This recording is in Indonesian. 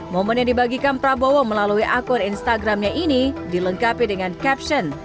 momen yang dibagikan prabowo melalui akun instagramnya ini dilengkapi dengan caption